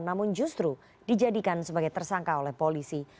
namun justru dijadikan sebagai tersangka oleh polisi